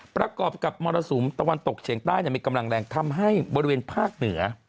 ประกอบกับมรสุมตะวันตกเฉียงใต้มีกำลังแรงทำให้บริเวณภาคเหนือ